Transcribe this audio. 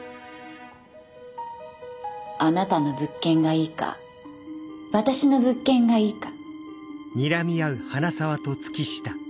あなたの物件がいいか私の物件がいいか。